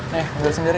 nih enggak sendiri